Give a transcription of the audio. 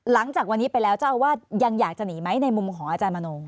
หลังจากวันนี้ไปแล้วเจ้าอาวาสยังอยากจะหนีไหมในมุมของอาจารย์มโน